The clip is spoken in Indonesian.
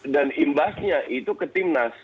dan imbasnya itu ke tim nas